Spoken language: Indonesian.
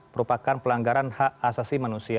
merupakan pelanggaran hak asasi manusia